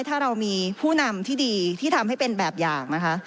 ถ้าเรามีผู้นำที่ดีที่ทำให้เป็นแบบอย่างนะคะ